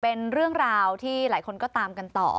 เป็นเรื่องราวที่หลายคนก็ตามกันต่อ